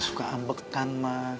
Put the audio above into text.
suka ambekan ma